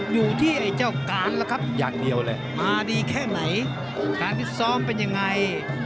อยู่ที่ไอ้เจ้าการแล้วครับมาดีแค่ไหนการที่ซ้อมเป็นยังไง